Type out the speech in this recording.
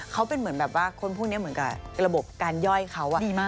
เขาเป็นเหมือนแบบว่าคนพวกนี้เหมือนกับระบบการย่อยเขา